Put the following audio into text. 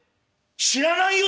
知らないよ